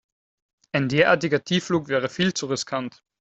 Ein derartiger Tiefflug wäre viel zu riskant.